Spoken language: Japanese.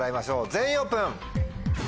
全員オープン。